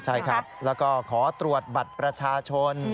ใช่ครับแล้วก็ขอตรวจบัตรประชาชน